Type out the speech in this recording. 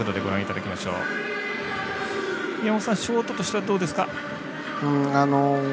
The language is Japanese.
宮本さん、ショートとしてはどうですか？